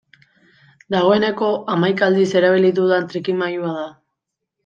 Dagoeneko hamaika aldiz erabili dudan trikimailua da.